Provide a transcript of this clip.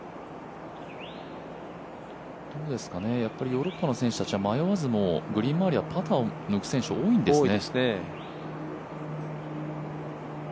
ヨーロッパの選手たちは迷わずグリーン周りはパターを抜く選手が多いですね。